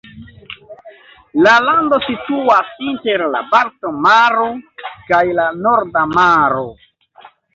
La lando situas inter la Balta maro kaj la Norda Maro.